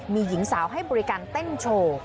มีหญิงสาวให้บริการเต้นโชว์